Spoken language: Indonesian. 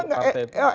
oh enggak enggak